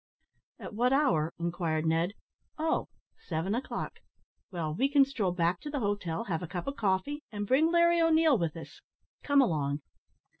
"At what hour?" inquired Ned "oh! seven o'clock; well, we can stroll back to the hotel, have a cup of coffee, and bring Larry O'Neil with us. Come along."